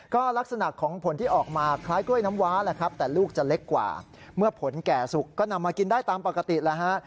ก็ลักษณะของผลที่ออกมาคล้ายกล้วยน้ำว้าแหละครับแต่ลูกจะเล็กกว่าเมื่อผลแก่สุกก็นำมากินได้ตามปกติแล้วฮะ